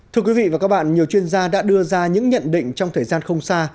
thưa quý vị và các bạn nhiều chuyên gia đã đưa ra những nhận định trong thời gian không xa